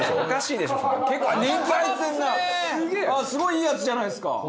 すごいいいやつじゃないですか！